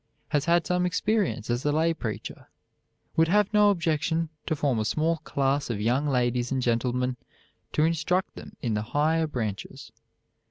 Has had some experience as a lay preacher. Would have no objection to form a small class of young ladies and gentlemen to instruct them in the higher branches.